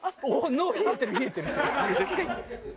脳冷えてる冷えてる！